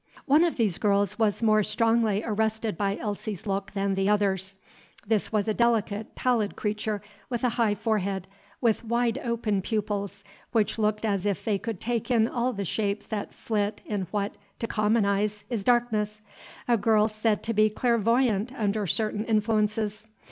One of these girls was more strongly arrested by Elsie's look than the others. This was a delicate, pallid creature, with a high forehead, and wide open pupils, which looked as if they could take in all the shapes that flit in what, to common eyes, is darkness, a girl said to be clairvoyant under certain influences.